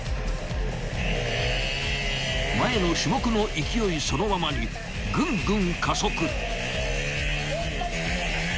［前の種目の勢いそのままにグングン加速］